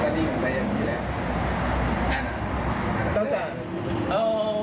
แต่นี่มันก็อย่างงี้แหละ